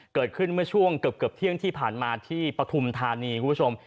เกิดขึ้นเมื่อช่วงเกือบเที่ยงที่ผ่านมาที่ปฐุมธานีคุณผู้ชม